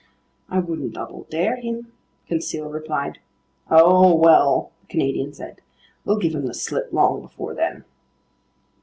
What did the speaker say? "I wouldn't double dare him," Conseil replied. "Oh well," the Canadian said, "we'll give him the slip long before then."